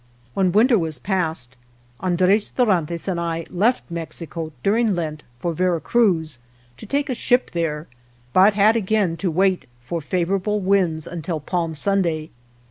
When winter was past, Andres Dorantes and I left Mexico, during Lent, for Vera Cruz, to take a ship there, but had again to wait for favorable winds until Palm Sunday.